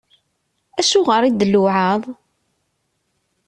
Acuɣeṛ i d-tluɛaḍ?